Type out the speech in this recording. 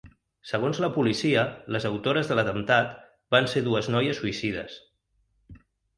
Segons la policia les autores de l’atemptat van ser dues noies suïcides.